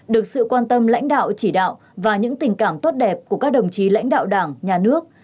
được sự quan tâm lãnh đạo chỉ đạo và những tình cảm tốt đẹp của các đồng chí lãnh đạo đảng nhà nước